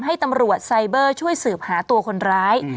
ให้ตำรวจไซเบอร์ช่วยสืบหาตัวคนร้าย